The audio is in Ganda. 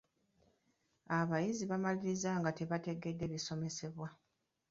Abayizi bamaliriza nga tebategedde bisomesebwa.